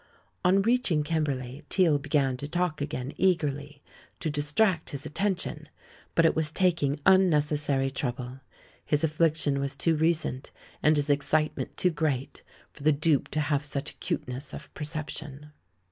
On reaching Kimberley, Teale began to talk again eagerly, to distract his atten tion ; but it was taking unnecessary trouble. His affliction was too recent, and his excitement too great, for the dupe to have such acuteness of per ception.